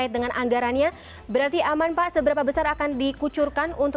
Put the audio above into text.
berarti aman pak seberapa besar akan dikucurkan